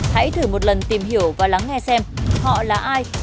hãy thử một lần tìm hiểu và lắng nghe xem họ là ai